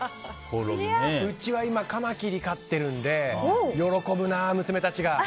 うちは今カマキリ飼ってるので喜ぶな、娘たちが。